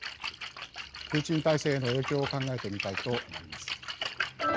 プーチン体制への影響を考えてみたいと思います。